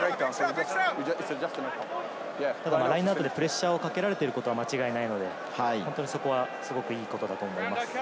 ラインアウトでプレッシャーをかけられていることは間違いないので、そこはすごくいいことだと思います。